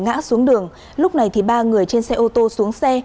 người đàn ông đã xuống đường lúc này ba người trên xe ô tô xuống xe